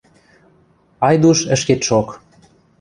Айдуш ӹшкетшок.